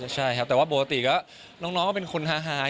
ใช่ครับแต่ว่าปกติก็น้องก็เป็นคนฮาย